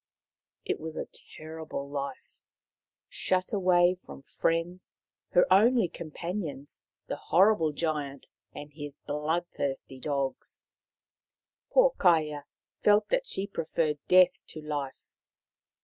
It was a terrible life. Shut away from friends, her only companions the horrible Giant and his bloodthirsty dogs, poor Kaia felt that she pre ferred death to life.